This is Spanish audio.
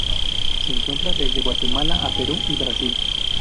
Se encuentra desde Guatemala a Perú y Brasil.